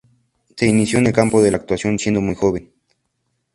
Se inició en el campo de la actuación siendo muy joven.